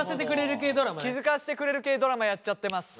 気付かせてくれる系ドラマやっちゃってます。